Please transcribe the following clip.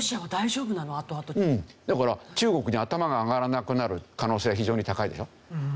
だから中国に頭が上がらなくなる可能性が非常に高いでしょ。